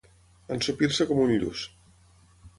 Ensopir-se com un lluç.